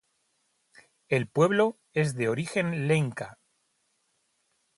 El pueblo es de origen lenca.